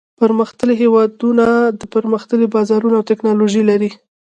پرمختللي هېوادونه پرمختللي بازارونه او تکنالوجي لري.